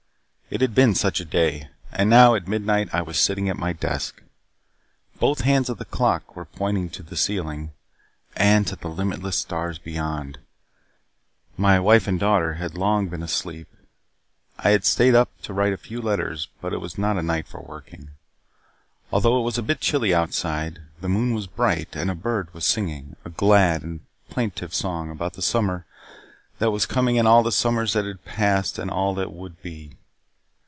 It had been such a day, and now at midnight I was sitting at my desk. Both hands of the clock were pointing to the ceiling and to the limitless stars beyond. My wife and daughter had long been asleep. I had stayed up to write a few letters but it was not a night for working. Although it was a bit chilly outside, the moon was bright and a bird was singing a glad and plaintive song about the summer that was coming and all the summers that had passed and all that would be.